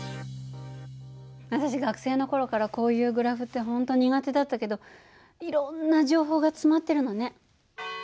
私学生の頃からこういうグラフって本当苦手だったけどいろんな情報が詰まってるのね。